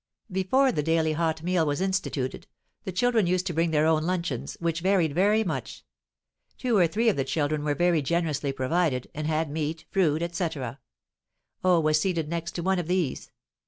Before the daily hot meal was instituted, the children used to bring their own luncheons, which varied very much; two or three of the children were very generously provided, and had meat, fruit, etc. O was seated next to one of these.